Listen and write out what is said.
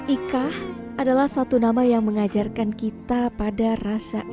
ika adalah satu nama yang mengajarkan kita pada rasa ikan